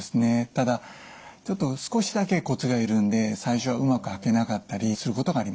ただ少しだけコツがいるんで最初はうまく履けなかったりすることがあります。